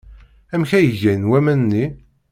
Amek ay gan waman-nni?